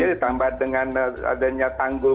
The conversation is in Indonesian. ditambah dengan adanya tanggul